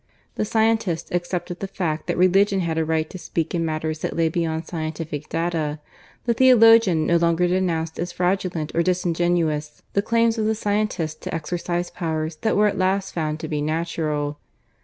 The scientist accepted the fact that Religion had a right to speak in matters that lay beyond scientific data; the theologian no longer denounced as fraudulent or disingenuous the claims of the scientist to exercise powers that were at last found to be natural.